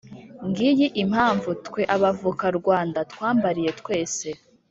ngiyi impamvu twe abavukarwanda, twambariye twese,